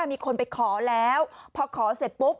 มีคนไปขอแล้วพอขอเสร็จปุ๊บ